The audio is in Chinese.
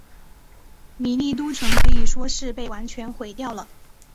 米利都城可以说是被完全毁掉了。